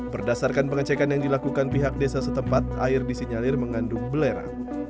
berdasarkan pengecekan yang dilakukan pihak desa setempat air disinyalir mengandung belera